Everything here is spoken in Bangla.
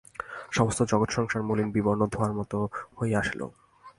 সমস্ত জগৎসংসার মলিন বিবর্ণ ধোঁওয়ার মতো হইয়া আসিল।